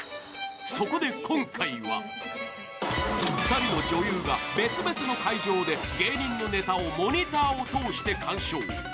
そこで今回は、２人の女優が別々の会場で芸人のネタをモニターを通して鑑賞。